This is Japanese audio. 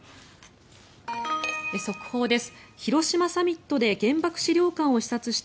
速報です。